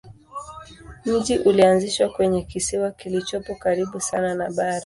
Mji ulianzishwa kwenye kisiwa kilichopo karibu sana na bara.